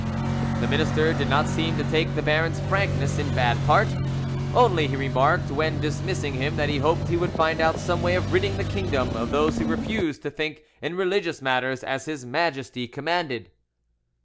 The minister did not seem to take the baron's frankness in bad part; only he remarked, when dismissing him, that he hoped he would find out some way of ridding the kingdom of those who refused to think in religious matters as His Majesty commanded.